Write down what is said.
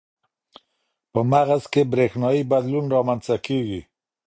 په مغز کې برېښنايي بدلون رامنځته کېږي.